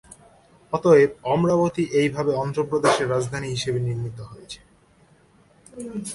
অতএব, অমরাবতী এইভাবে অন্ধ্র প্রদেশ রাজধানী হিসাবে নির্মিত হয়েছে।